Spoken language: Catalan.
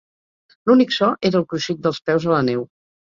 L'únic so era el cruixit dels peus a la neu.